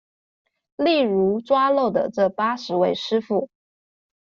例如抓漏的這八十位師傅